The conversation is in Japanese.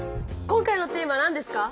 今回のテーマはなんですか？